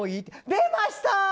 出ました！